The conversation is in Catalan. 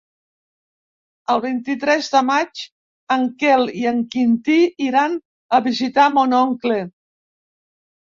El vint-i-tres de maig en Quel i en Quintí iran a visitar mon oncle.